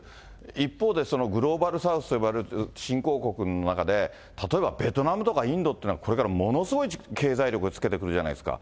一方で、そのグローバル・サウスと呼ばれる新興国の中で、例えばベトナムとかインドというのはこれからものすごい経済力をつけてくるじゃないですか。